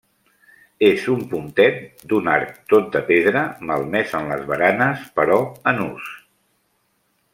És un pontet d'un arc tot de pedra, malmès en les baranes però en ús.